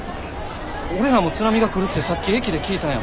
俺らも津波が来るってさっき駅で聞いたんや。